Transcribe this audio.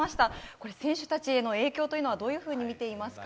これ、選手たちへの影響というのは、どういうふうに見ていますか。